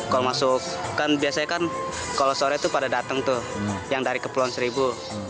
kalau masuk kan biasanya kan kalau sore itu pada datang tuh yang dari kepulauan seribu